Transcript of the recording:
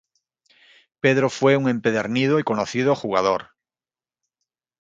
Pedro fue un empedernido y conocido jugador.